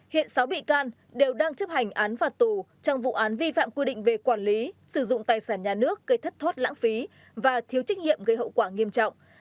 hiện sáu bị can đều đang chấp hành án phạt tù trong vụ án vi phạm quy định về quản lý sử dụng tài sản nhà nước gây thất thoát lãng phí và thiếu trách nhiệm gây hậu quả nghiêm trọng